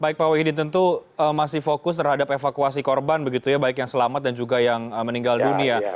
baik pak wahidin tentu masih fokus terhadap evakuasi korban begitu ya baik yang selamat dan juga yang meninggal dunia